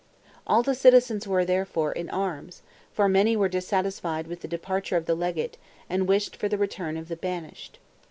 All the citizens were, therefore, in arms, for many were dissatisfied with the departure of the legate, and wished for the return of the banished.